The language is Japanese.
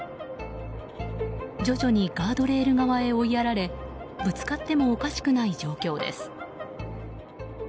徐々にガードレール側へ追いやられぶつかってもおかしくない状況です。